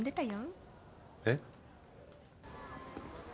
えっ？